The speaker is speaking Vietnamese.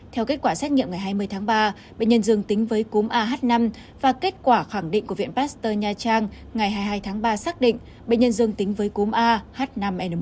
theo kết quả xét nghiệm ngày hai mươi tháng ba bệnh nhân dương tính với cúm a h năm n một và kết quả khẳng định của viện pasteur nha trang ngày hai mươi hai tháng ba xác định bệnh nhân dương tính với cúm a h năm n một